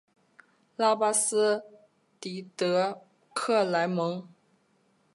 拉巴斯蒂德克莱蒙。